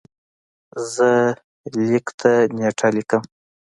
زه لیک ته نېټه لیکم.